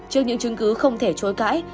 trước những chứng cứ không thể chối cãi